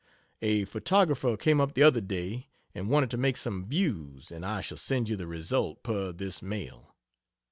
A photographer came up the other day and wanted to make some views, and I shall send you the result per this mail.